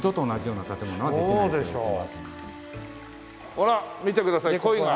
あら見てください鯉が。